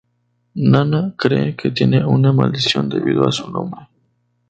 Nana cree que tiene una maldición debido a su nombre.